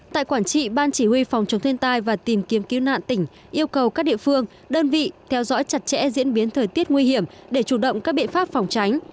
tại quảng trị ban chỉ huy phòng chống thiên tai và tìm kiếm cứu nạn tỉnh yêu cầu các địa phương đơn vị theo dõi chặt chẽ diễn biến thời tiết nguy hiểm để chủ động các biện pháp phòng tránh